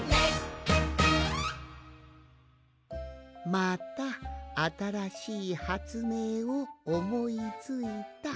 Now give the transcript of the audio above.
「またあたらしいはつめいをおもいついた。